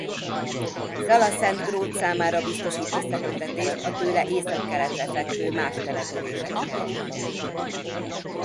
Zalaszentgrót számára biztosít összeköttetést a tőle északkeletre fekvő más települések irányába.